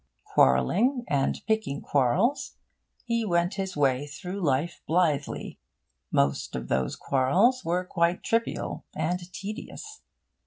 Quarrelling and picking quarrels, he went his way through life blithely. Most of these quarrels were quite trivial and tedious.